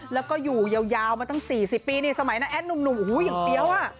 แล้วก็อยู่ยาวมาตั้ง๔๐ปีสมัยนั้นแอดหนุ่มอย่างเปี้ยวอะ